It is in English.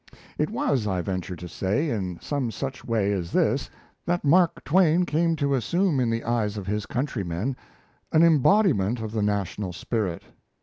It was, I venture to say, in some such way as this that Mark Twain came to assume in the eyes of his countrymen an embodiment of the national spirit.